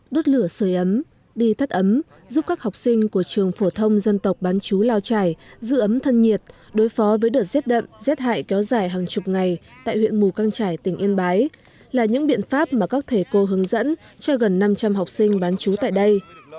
đốt lửa sửa ấm đi thắt ấm giúp các học sinh của trường phổ thông dân tộc bán chú lao trải giữ ấm thân nhiệt đối phó với đợt rét đậm rét hại kéo dài hàng chục ngày tại huyện mù căng trải tỉnh yên bái là những biện pháp mà các thầy cô hướng dẫn cho gần năm trăm linh học sinh bán chú tại đây